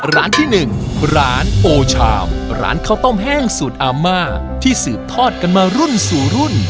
ร้านที่๑ร้านโอชาวร้านข้าวต้มแห้งสูตรอาม่าที่สืบทอดกันมารุ่นสู่รุ่น